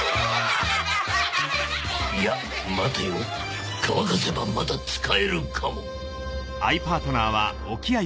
いや待てよ乾かせばまだ使えるかも